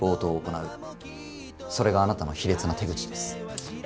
それがあなたの卑劣な手口です。